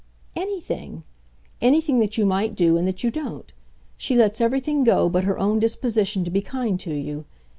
"Anything anything that you might do and that you don't. She lets everything go but her own disposition to be kind to you.